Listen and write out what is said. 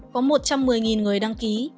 có một trăm một mươi người đăng ký